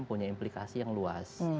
punya implikasi yang luas